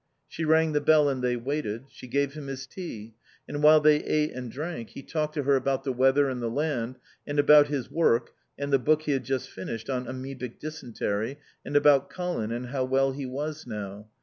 She rang the bell and they waited. She gave him his tea, and while they ate and drank he talked to her about the weather and the land, and about his work and the book he had just finished on Amoebic Dysentery, and about Colin and how well he was now.